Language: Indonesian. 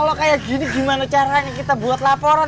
kalau kayak gini gimana caranya kita buat laporan